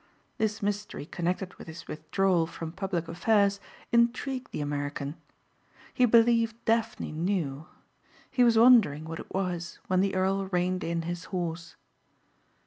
This mystery connected with his withdrawal from public affairs intrigued the American. He believed Daphne knew. He was wondering what it was when the earl reined in his horse.